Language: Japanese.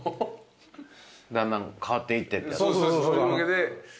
だんだん変わっていってってやつ？